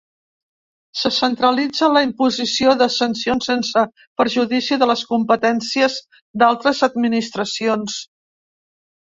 Se centralitza la imposició de sancions sense perjudici de les competències d’altres administracions.